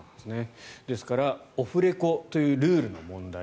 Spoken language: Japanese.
ですからオフレコというルールの問題